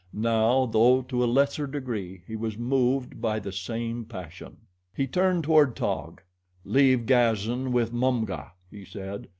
Now, though to a lesser degree, he was moved by the same passion. He turned toward Taug. "Leave Gazan with Mumga," he said.